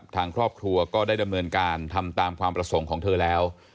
ทางครอบครัวก็ได้ดำเนินการทำตามความประสงค์ของเธอแล้ว